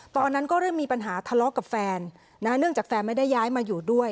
ตอนนั้นก็เริ่มมีปัญหาทะเลาะกับแฟนเนื่องจากแฟนไม่ได้ย้ายมาอยู่ด้วย